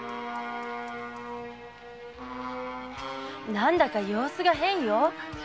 何だか様子が変よ。